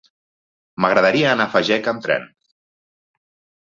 M'agradaria anar a Fageca amb tren.